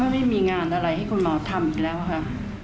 ไม่มีงานอะไรให้คุณหมอทำอีกแล้วค่ะ